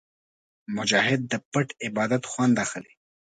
مجاهد د پټ عبادت خوند اخلي.